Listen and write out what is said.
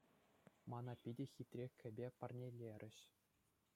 Мана питӗ хитре кӗпе парнелерӗҫ.